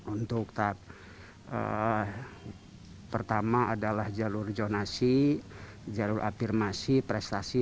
untuk tahap pertama adalah jalur zonasi jalur afirmasi prestasi